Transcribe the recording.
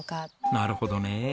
なるほどね。